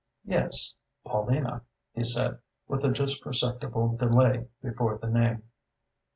"Yes Paulina," he said, with a just perceptible delay before the name.